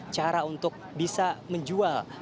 cara untuk bisa menjual